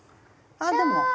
あでも。